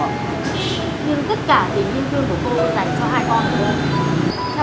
nhưng tất cả niềm thương của cô dành cho hai con của cô